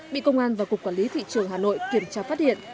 bị công an và cục quản lý thị trường hà nội kiểm tra phát hiện